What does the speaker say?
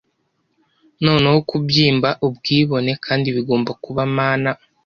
Noneho kubyimba ubwibone, kandi bigomba kuba Mana,